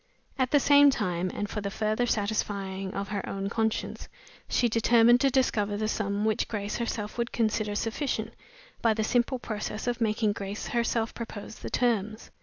At the same time, and for the further satisfying of her own conscience, she determined to discover the sum which Grace herself would consider sufficient by the simple process of making Grace herself propose the terms.